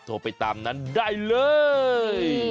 โทรไปตามนั้นได้เลย